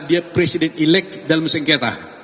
dia presiden elek dalam sengketa